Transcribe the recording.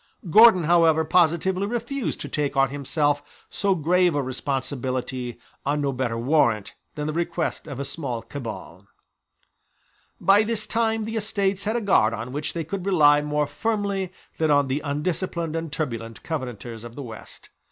Gordon however positively refused to take on himself so grave a responsibility on no better warrant than the request of a small cabal, By this time the Estates had a guard on which they could rely more firmly than on the undisciplined and turbulent Covenanters of the West.